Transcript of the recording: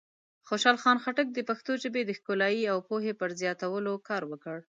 خوشحال خان خټک د پښتو ژبې د ښکلایۍ او پوهې پر زیاتولو کار وکړ.